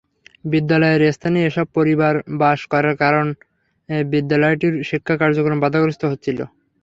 বিদ্যালয়ের স্থানে এসব পরিবার বাস করার কারণে বিদ্যালয়টির শিক্ষা কার্যক্রম বাধাগ্রস্ত হচ্ছিল।